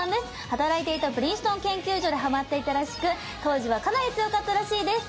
働いていたプリンストン研究所でハマっていたらしく当時はかなり強かったらしいです。